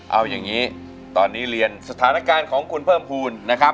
เอาอย่างนี้ตอนนี้เรียนสถานการณ์ของคุณเพิ่มภูมินะครับ